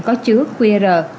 có chứa qr